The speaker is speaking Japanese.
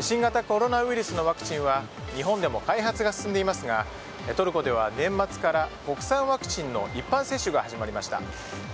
新型コロナウイルスのワクチンは日本でも開発が進んでいますがトルコでは年末から国産ワクチンの一般接種が始まりました。